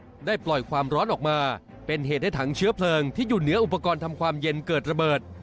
ได้ปล่อยความร้อนออกมาเป็นเหตุให้ถังเชื้อเพลิงที่อยู่เหนืออุปกรณ์ทำความเย็นเกิดระเบิด